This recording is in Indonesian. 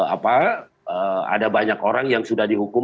apa ada banyak orang yang sudah dihukum